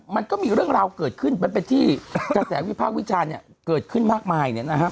มันก็มีเรื่องราวเกิดขึ้นมันเป็นที่กระแสวิภาควิชาเกิดขึ้นมากมาย